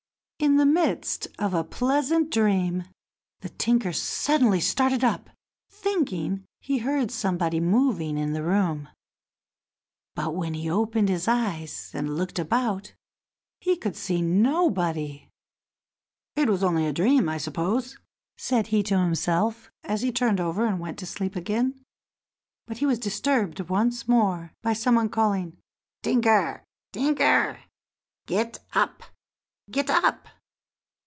In the midst of a pleasant dream the tinker suddenly started up, thinking he heard somebody moving in the room, but, when he opened his eyes and looked about, he could see nobody. "It was only a dream, I suppose," said he to himself as he turned over and went to sleep again. But he was disturbed once more by some one calling: "Tinker! tinker! Get up! get up!"